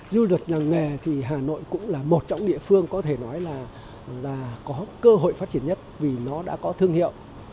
du lịch làng nghề thì hà nội cũng là một trong địa phương có thể nói là có cơ hội phát triển nhất vì nó đã có thương hiệu